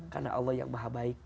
karena allah yang maha baik